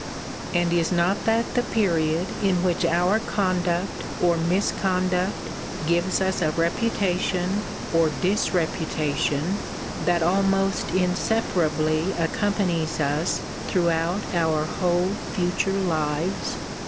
And is not that the period in which our conduct or misconduct gives us a reputation or disreputation, that almost inseparably accompanies us throughout our whole future lives?